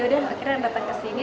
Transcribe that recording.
yaudah akhirnya datang ke sini